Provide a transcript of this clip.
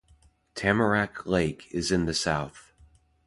Tamarack Lake is in the southeast.